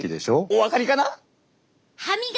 お分かりかな？